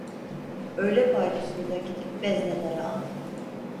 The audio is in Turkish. Öğle paydosunda gidip veznedarı aldı.